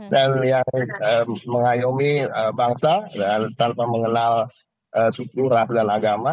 dan yang mengayomi bangsa dan tanpa mengenal suku rahmat dan agama